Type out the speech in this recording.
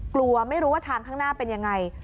กลัวไม่รู้ว่าทางข้างหน้าเป็นยังไง